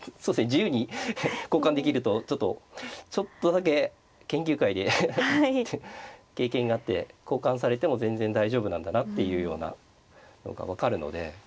自由に交換できるとちょっとちょっとだけ研究会で経験があって交換されても全然大丈夫なんだなっていうようなのが分かるので。